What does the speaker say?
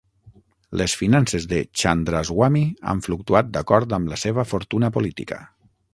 Les finances de Chandraswami han fluctuat d'acord amb la seva fortuna política.